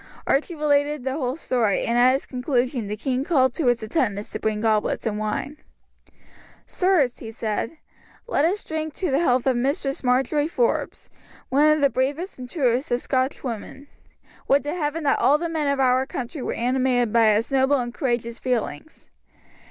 Archie related the whole story, and at its conclusion the king called to his attendants to bring goblets and wine. "Sirs," he said, "let us drink to the health of Mistress Marjory Forbes, one of the bravest and truest of Scotch women. Would to Heaven that all the men of our country were animated by as noble and courageous feelings!